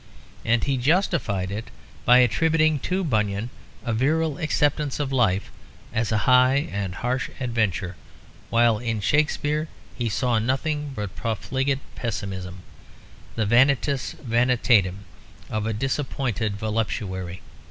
And he justified it by attributing to Bunyan a virile acceptance of life as a high and harsh adventure, while in Shakespeare he saw nothing but profligate pessimism, the vanitas vanitatum of a disappointed voluptuary.